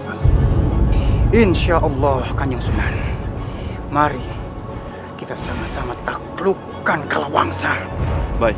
sudah sadar kalau aku tidak butuh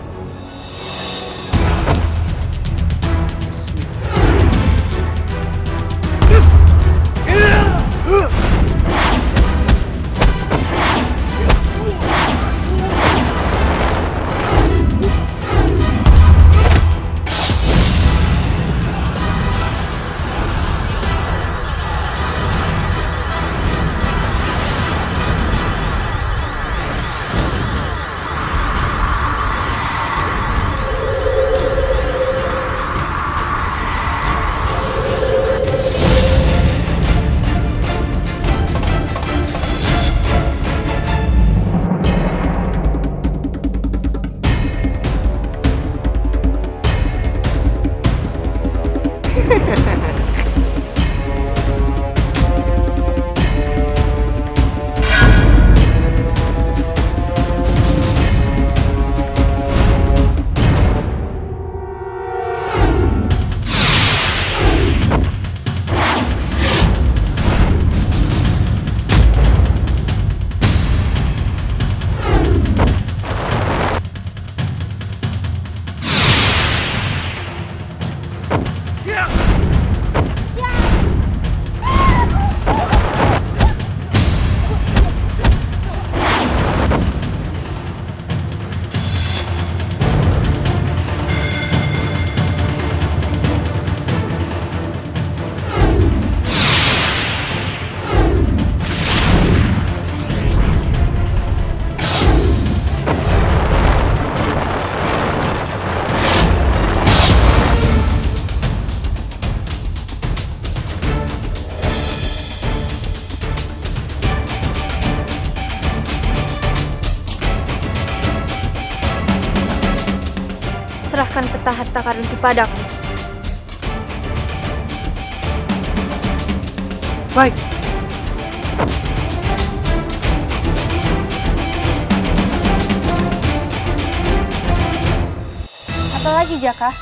bantuanmu